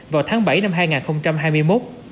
vào tháng bảy năm hai nghìn hai mươi một